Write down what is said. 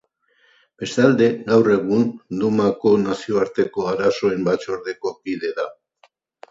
Bestalde, gaur egun, Dumako nazioarteko arazoen batzordeko kide da.